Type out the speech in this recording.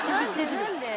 何で？